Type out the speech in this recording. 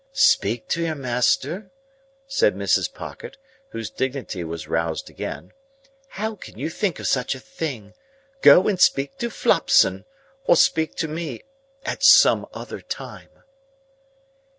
"Speak to your master?" said Mrs. Pocket, whose dignity was roused again. "How can you think of such a thing? Go and speak to Flopson. Or speak to me—at some other time."